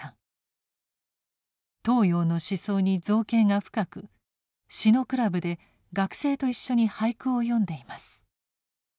東洋の思想に造詣が深く詩のクラブで学生と一緒に俳句を詠んでいます。